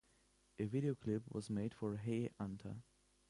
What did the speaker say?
A video clip was made for "Hey Anta".